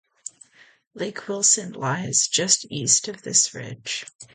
Lake Wilson lies just east of this ridge.